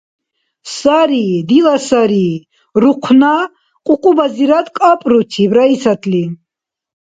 – Сари. Дила сари! – рухъна кьукьубазирад кӀапӀруциб Раисатли.